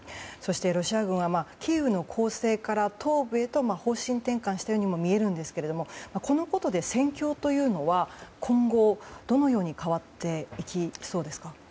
そしてロシア軍はキーウの攻勢から東部へと方針転換したようにも見えるんですけれどもこのことで戦況というのは今後、どのように変わっていきそうですか。